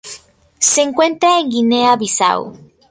Se encuentra en Guinea-Bissau.